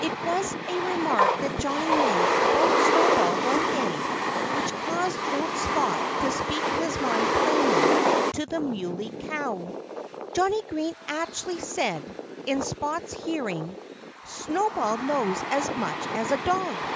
It was a remark that Johnnie made about Snowball one day which caused old Spot to speak his mind plainly to the Muley Cow. Johnnie Green actually said, in Spot's hearing, "Snowball knows as much as a dog!"